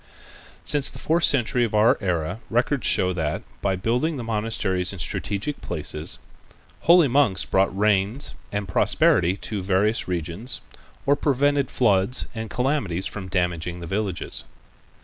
Since the fourth century of our era records show that by the building of monasteries in strategic place's holy monks brought rains and prosperity to various regions, or prevented floods and calamities from damaging the villages.